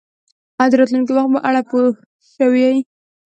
ایا د راتلونکي وخت په اړه پوه شوئ؟